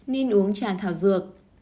nên uống trà thảo dược